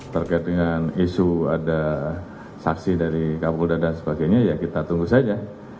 terkait dengan isu ada saksi dari kapolda dan sebagainya ya kita tunggu saja